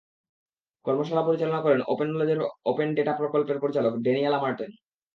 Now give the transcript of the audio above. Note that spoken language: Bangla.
কর্মশালা পরিচালনা করেন ওপেন নলেজের ওপেন ডেটা প্রকল্পের পরিচালক ডেনিয়ালা ম্যাটার্ন।